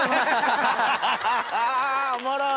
おもろい！